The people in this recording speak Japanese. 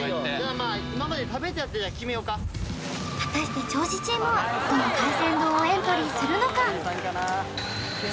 まあ果たして銚子チームはどの海鮮丼をエントリーするのか？